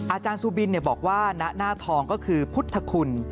อาจารย์ซูบินบอกว่าณหน้าทองก็คือพุทธคุณ